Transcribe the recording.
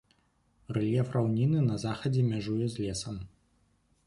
Рэльеф раўніны, на захадзе мяжуе з лесам.